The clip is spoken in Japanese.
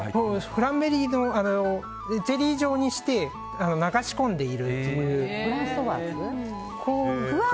クランベリーをゼリー状にして流し込んでいるという。